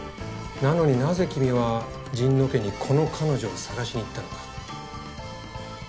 なのに何故君は神野家にこの彼女を捜しに行ったのか？